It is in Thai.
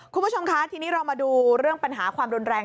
คุณผู้ชมคะทีนี้เรามาดูเรื่องปัญหาความรุนแรง